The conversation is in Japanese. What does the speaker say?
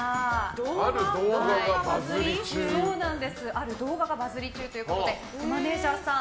ある動画がバズり中ということでマネジャーさん